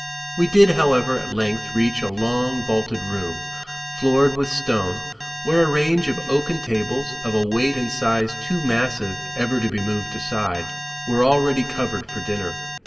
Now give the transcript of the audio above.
We did, however, at length reach a long vaulted room, floored with stone, where a range of oaken tables, of a weight and size too massive ever to be moved aside, were already covered for dinner.